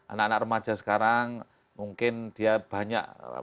anak anak remaja sekarang mungkin dia banyak akses pengetahuan tetapi